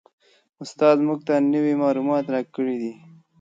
استاد موږ ته نوي معلومات راکړي دي.